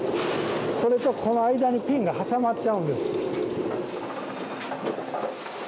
それとこの間にピンが挟まっちゃうんです。